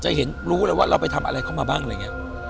เห็นรู้เลยว่าเราไปทำอะไรเข้ามาบ้างอะไรอย่างนี้